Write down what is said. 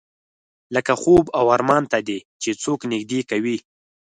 لکه خوب او ارمان ته دې چې څوک نږدې کوي.